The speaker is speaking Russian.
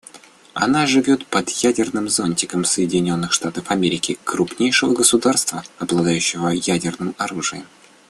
Она живет под «ядерным зонтиком» Соединенных Штатов Америки, крупнейшего государства, обладающего ядерным оружием.